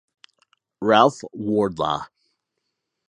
Ralph Wardlaw.